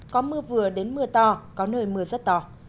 có mưa vừa đến mưa to có nơi mưa rất to